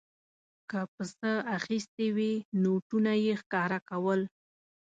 که په څه اخیستې وې نوټونه یې ښکاره کول.